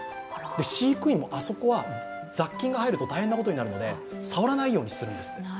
飼育員も、あそこは雑菌が入ると大変なことになるので触らないようにするんですって。